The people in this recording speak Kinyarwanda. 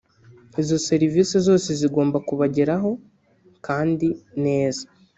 izo serivisi zose zigomba kubageraho kandi neza